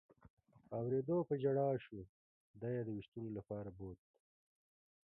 په اورېدو په ژړا شو، دی یې د وېشتلو لپاره بوت.